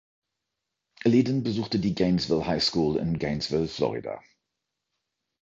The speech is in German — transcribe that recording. Leadon besuchte die Gainesville Highschool in Gainesville, Florida.